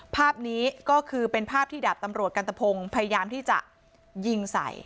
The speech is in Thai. ภาพนี้ก็คือเป็นภาพที่ดาบตำรวจกันตะพงศ์พยายามที่จะยิงใส่